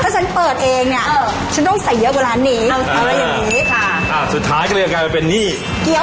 ถ้าฉันเปิดเองฉันต้องใส่เยอะกว่าร้านนี้